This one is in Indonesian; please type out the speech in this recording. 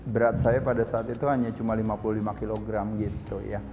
berat saya pada saat itu hanya cuma lima puluh lima kg gitu ya